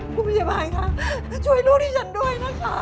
คุณพยาบาลคะช่วยลูกที่ฉันด้วยนะคะ